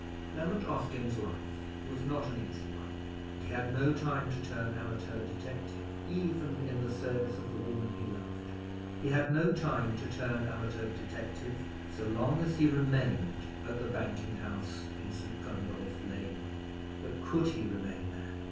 Clement Austin's life was not an easy one, and he had no time to turn amateur detective, even in the service of the woman he loved. He had no time to turn amateur detective so long as he remained at the banking house in St. Gundolph Lane. But could he remain there?